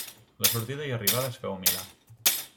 La sortida i arribada es féu a Milà.